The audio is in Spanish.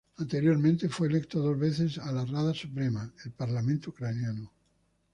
Anteriormente fue electo dos veces a la Rada Suprema, el parlamento ucraniano.